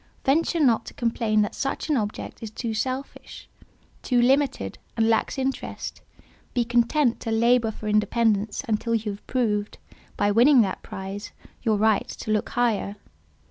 Venture not to complain that such an object is too selfish, too limited, and lacks interest; be content to labour for independence until you have proved, by winning that prize, your right to look higher.